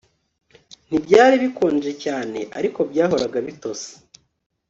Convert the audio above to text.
Ntibyari bikonje cyane ariko byahoraga bitose